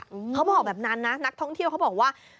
เขาบอกแบบนั้นนะนักท่องเที่ยวเขาบอกว่า